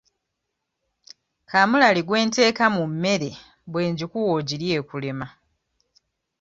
Kaamulali gwe nteeka mu mmere bwe ngikuwa ogirye ekulema.